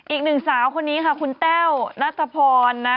อีกหนึ่งสาวคนนี้ค่ะคุณแต้วนัทพรนะ